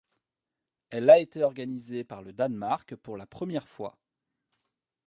Elle a été organisée par le Danemark pour la première fois.